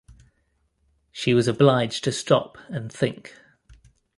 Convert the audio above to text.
She was obliged to stop and think.